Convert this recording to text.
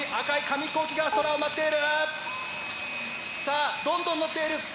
さあどんどんのっている。